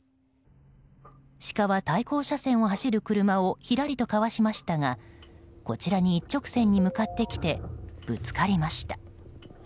シカは対向車線を走る車をひらりとかわしましたがこちらに一直線に向かってきてぶつかりました。